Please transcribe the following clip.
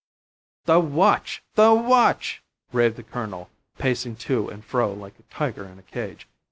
"The watch! the watch!" raved the colonel, pacing to and fro like a tiger in a cage.